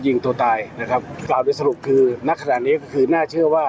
ยิงตัวตายนะครับกล่าวโดยสรุปคือนักขนาดนี้ก็คือน่าเชื่อว่า